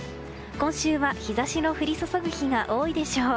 今週は日差しの降り注ぐ日が多いでしょう。